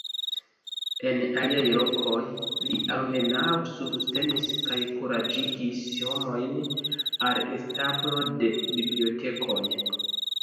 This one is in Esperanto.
En aliaj lokoj li almenaŭ subtenis kaj kuraĝigis homojn al establo de bibliotekoj.